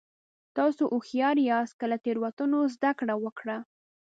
تاسو هوښیار یاست که له تېروتنو زده کړه وکړه.